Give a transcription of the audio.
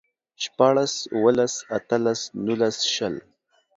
شپاړلس، اوولس، اتلس، نولس، شل